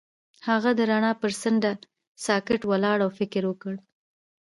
هغه د رڼا پر څنډه ساکت ولاړ او فکر وکړ.